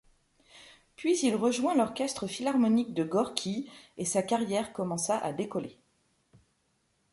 Puis il rejoint l'Orchestre philharmonique de Gorki et sa carrière commença à décoller.